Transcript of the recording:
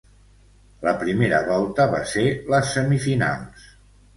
La primera volta va ser les semifinals.